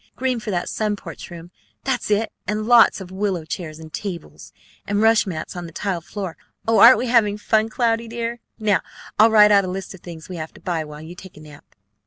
Green for that sun porch room! That's it, and lots of willow chairs and tables! And rush mats on the tiled floor! Oh! Aren't we having fun, Cloudy, dear? Now, I'll write out a list of things we have to buy while you take a nap."